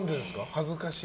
恥ずかしい。